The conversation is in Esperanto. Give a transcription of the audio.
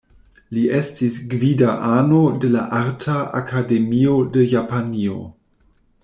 Li estis gvida ano de la Arta Akademio de Japanio.